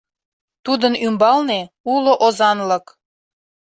Тудын ӱмбалне — уло озанлык.